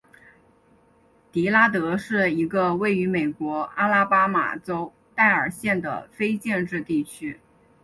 迪拉德是一个位于美国阿拉巴马州戴尔县的非建制地区。